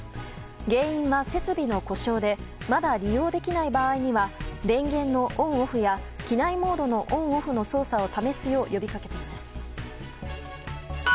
原因は設備の故障でまだ利用できない場合には電源のオンオフや機内モードのオンオフの操作を試すよう呼びかけています。